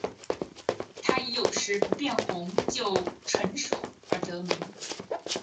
它以有时不变红就成熟而得名。